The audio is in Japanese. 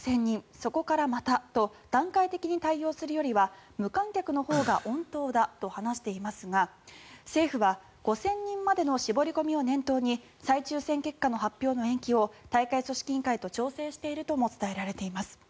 そこからまたと段階的に対応するよりは無観客のほうが穏当だと話していますが政府は５０００人までの絞り込みを念頭に再抽選結果の発表の延期を大会組織委員会と調整しているとも伝えられています。